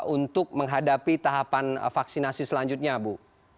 untuk menghadapi tahapan vaksinasi selanjutnya bu